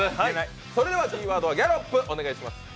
それではキーワードはギャロップ、お願いします。